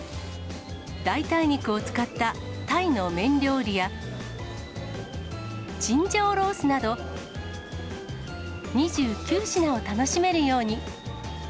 代替肉を使ったタイの麺料理や、チンジャオロースなど、２９品を楽しめるように。